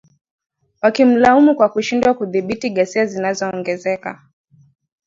wakimlaumu kwa kushindwa kudhibiti ghasia zinazoongezeka